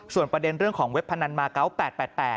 ส่วนประเด็นเรื่องของเว็บพนันมาเกาะ๘๘